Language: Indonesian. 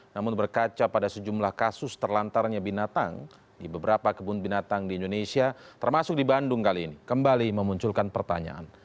namun berkaca pada sejumlah kasus terlantarannya binatang di beberapa kebun binatang di indonesia termasuk di bandung kali ini kembali memunculkan pertanyaan